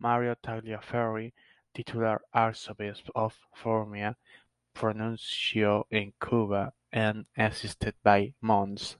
Mario Tagliaferri, Titular Archbishop of Formia, Pro-Nuncio in Cuba and assisted by Mons.